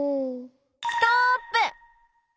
ストップ！